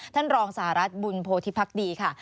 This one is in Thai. ท่านรองสหรัฐบุญโพธิพักดีค่ะ